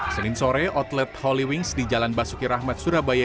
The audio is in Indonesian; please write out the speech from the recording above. senin sore outlet holy wings di jalan basuki rahmat surabaya